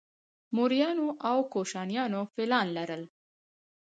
موریانو او کوشانیانو فیلان لرل